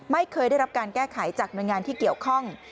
ไม่เคยได้รับการแก้ไขจากหน่วยงานที่เกี่ยวข้อง